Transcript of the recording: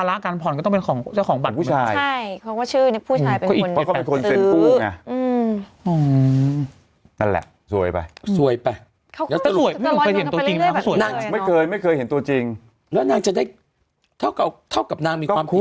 แล้วนางจะได้เท่ากับนางมีความผิด